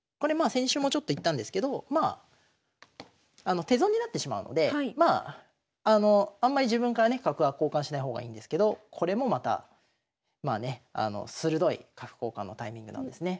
先週もちょっと言ったんですけど手損になってしまうのであんまり自分からね角は交換しない方がいいんですけどこれもまたまあね鋭い角交換のタイミングなんですね。